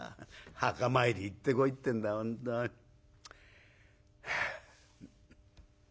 墓参り行ってこいってんだ本当に。はあ」。